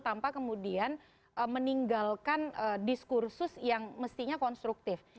tanpa kemudian meninggalkan diskursus yang mestinya konstruktif